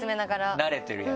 慣れてるやつだ。